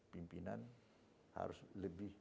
pimpinan harus lebih